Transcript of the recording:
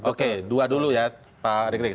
oke dua dulu ya pak rikri